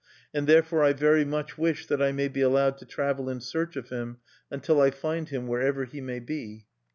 "And therefore I very much wish that I may be allowed to travel in search of him, until I find him, wherever he may be."